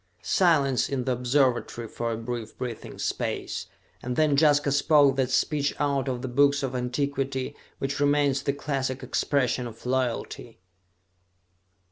Silence in the observatory for a brief breathing space, and then Jaska spoke that speech out of the books of antiquity, which remains the classic expression of loyalty.